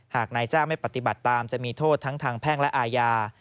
หากนายจ้างไม่ปฏิบัติตามจะมีโทษทั้งทางแพ่งและอาญา